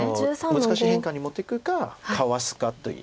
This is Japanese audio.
難しい変化に持っていくかかわすかという。